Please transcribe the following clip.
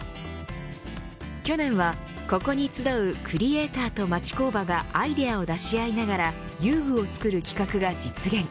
去年はここに集うクリエイターと町工場からアイデアを出し合いながら遊具を作る企画が実現。